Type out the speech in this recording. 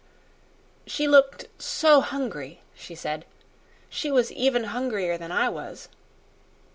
"She looked so hungry," she said. "She was even hungrier than I was."